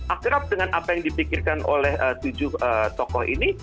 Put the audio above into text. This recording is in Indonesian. akrab dengan apa yang dipikirkan oleh tujuh tokoh ini